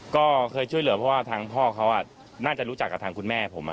ก็เคยช่วยเหลือเพราะว่าทางพ่อเขาน่าจะรู้จักกับทางคุณแม่ผม